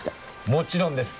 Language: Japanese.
もちろんです。